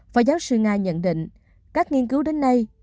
phó giáo sư nga nhận định các nghiên cứu đến nay